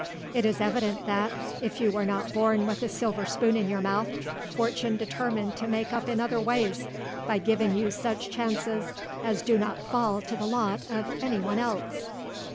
It is evident that, if you were not born with a silver spoon in your mouth, fortune determined to make up in other ways, by giving you such chances as do not fall to the lot of anyone else."